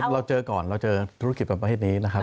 เราเจอก่อนเราเจอธุรกิจประเภทนี้นะครับ